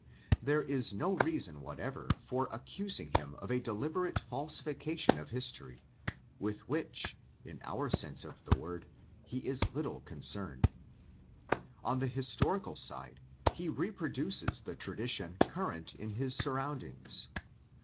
There is no reason whatever for accusing him of a deliberate falsification of history, with which, in our sense of the word, he is little concerned. On the "historical" side he reproduces the tradition current in his surroundings.